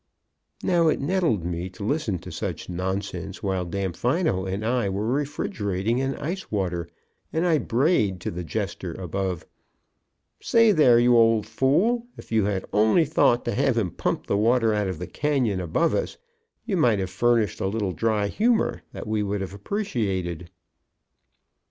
Now it nettled me to listen to such nonsense while Damfino and I were refrigerating in ice water, and I brayed to the jester above: "Say there, you old fool, if you had only thought to have him pump the water out of the canyon above us you might have furnished a little dry humor that we would have appreciated."